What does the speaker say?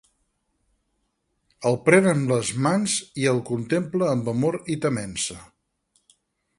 El pren amb les mans i el contempla amb amor i temença.